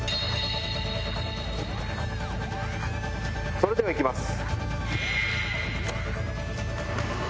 それではいきます。